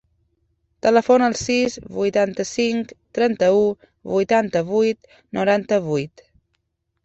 Telefona al sis, vuitanta-cinc, trenta-u, vuitanta-vuit, noranta-vuit.